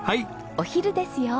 お昼ですよ。